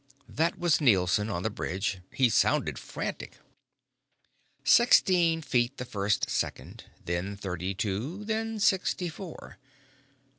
That was Nielson, on the bridge. He sounded frantic. Sixteen feet the first second, then thirty two, then sixty four.